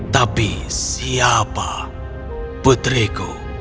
tapi siapa putriku